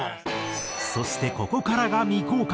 そしてここからが未公開。